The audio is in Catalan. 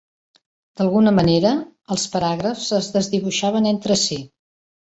D'alguna manera, els paràgrafs es desdibuixaven entre si.